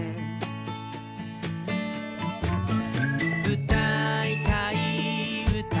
「うたいたいうた」